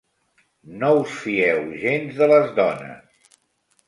No us fieu gens de les dones